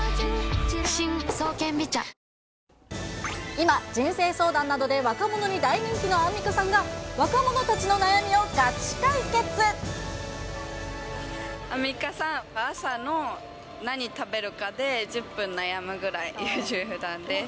今、人生相談などで若者に大人気のアンミカさんが、アンミカさん、朝の何食べるかで１０分悩むぐらい、優柔不断です。